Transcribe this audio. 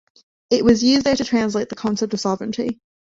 It was used there to translate the concept of sovereignty.